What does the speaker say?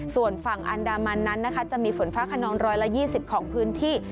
ส่วนฝั่งอันดามันนั้นนะคะจะมีฝนฟ้าขนองร้อยละยี่สิบของพื้นที่